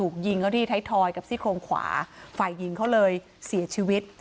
กับสิทธิ์โครงขวาฝ่ายยิงเขาเลยเสียชีวิต